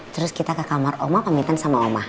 terus kita ke kamar oma pamitan sama oma